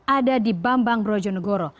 ada di bambang brojonegoro